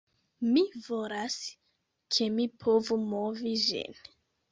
Mi volas, ke mi povu movi ĝin